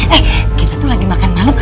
eh kita tuh lagi makan malam